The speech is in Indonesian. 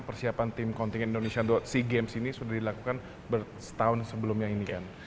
persiapan tim kontingen indonesia dot si games ini sudah dilakukan bertahun sebelumnya ini kan